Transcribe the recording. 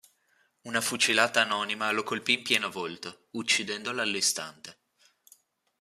Una fucilata anonima lo colpì in pieno volto, uccidendolo all’istante.